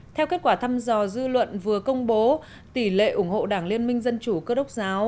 theo kết quả thăm dò dư luận vừa công bố tỷ lệ ủng hộ đảng liên minh dân chủ cơ đốc giáo